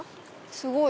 すごい！